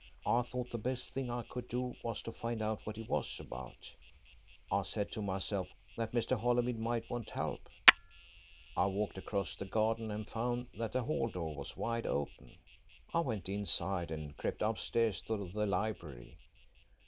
I thought the best thing I could do was to find out what it was about. I said to myself that Mr. Holymead might want help. I walked across the garden and found that the hall door was wide open. I went inside and crept upstairs to the library.